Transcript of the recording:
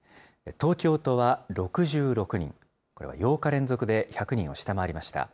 東京都は６６人、これは８日連続で１００人を下回りました。